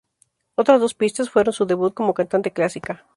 Otras dos pistas fueron su debut como cantante clásica.